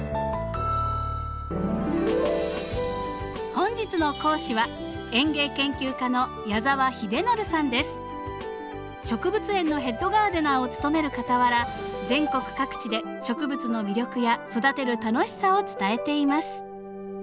本日の講師は植物園のヘッドガーデナーを務めるかたわら全国各地で植物の魅力や育てる楽しさを伝えています。